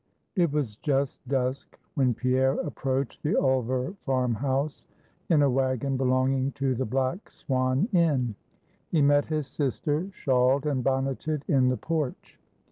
It was just dusk when Pierre approached the Ulver farm house, in a wagon belonging to the Black Swan Inn. He met his sister shawled and bonneted in the porch.